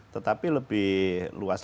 tetapi lebih luas